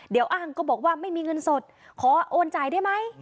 เดี๋ยวอ้างก็บอกว่าไม่มีเงินสดขอโอนจ่ายได้ไหม